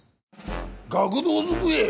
学童机！？